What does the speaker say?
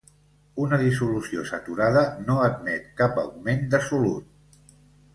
Una dissolució saturada no admet cap augment de solut.